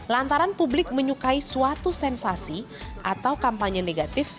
lantaran publik menyukai suatu sensasi atau kampanye negatif